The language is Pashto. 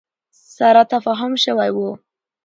سره تفاهم شوی ؤ